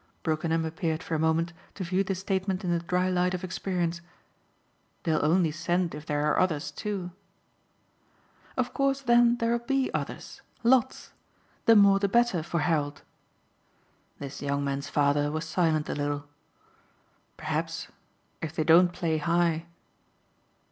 Brookenham appeared for a moment to view this statement in the dry light of experience. "They'll only send if there are others too." "Of course then there'll be others lots. The more the better for Harold." This young man's father was silent a little. "Perhaps if they don't play high."